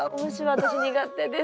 私苦手です。